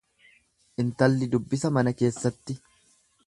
Intalli dubbisa mana keessatti.